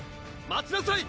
待ちなさい！